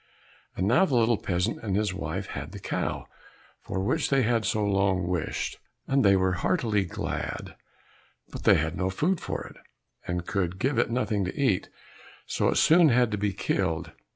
And now the little peasant and his wife had the cow for which they had so long wished, and they were heartily glad, but they had no food for it, and could give it nothing to eat, so it soon had to be killed.